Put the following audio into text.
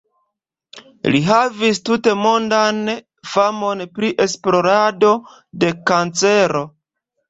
Li havis tutmondan famon pri esplorado de kancero.